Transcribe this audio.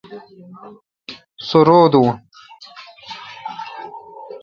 سو رو دوں۔